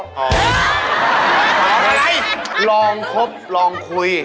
ของอะไรลองครบลองคุย